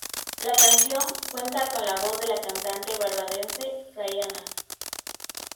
La canción cuenta con la voz de la cantante barbadense Rihanna.